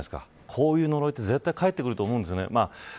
こういう呪いは、絶対返ってくると思うんですよね。